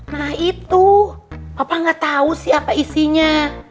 nah itu papa gak tau sih apa isinya